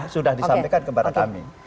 sudah disampaikan kepada kami